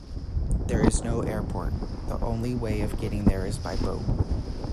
There is no airport; the only way of getting there is by boat.